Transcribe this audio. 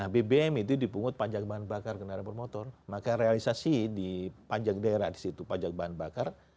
bbm itu dipungut pajak bahan bakar kendaraan bermotor maka realisasi di pajak daerah di situ pajak bahan bakar